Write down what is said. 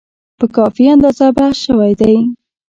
په کافي اندازه بحث شوی دی.